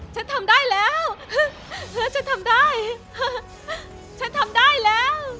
ฉันทำได้แล้วแล้วฉันทำได้ฉันทำได้แล้ว